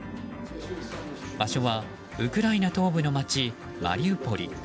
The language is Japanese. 場所はウクライナ東部の街マリウポリ。